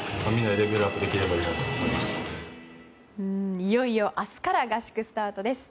いよいよ明日から合宿スタートです。